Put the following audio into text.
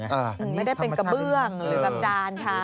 ไม่ได้เป็นกระเบื้องหรือครับจานชาม